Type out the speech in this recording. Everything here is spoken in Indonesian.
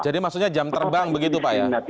jadi maksudnya jam terbang begitu pak ya